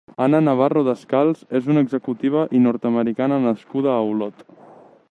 Anna Navarro Descals és una executiva i nord-americana nascuda a Olot.